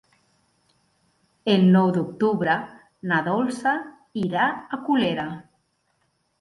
El nou d'octubre na Dolça irà a Colera.